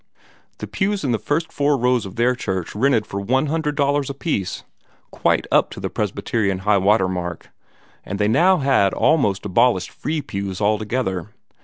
The pews in the first four rows of their church rented for one hundred dollars apiece quite up to the Presbyterian highwater mark and they now had almost abolished free pews altogether.